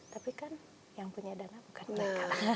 tapi kan yang punya dana bukan mereka